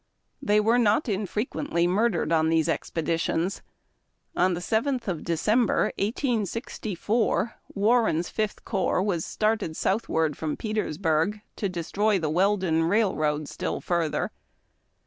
They were not infrequently murdered on these expeditions. On the 7th of December, 1864, Warren's Fifth Corps was started southward from Petersburg, to destroy the Weldon Railroad still further.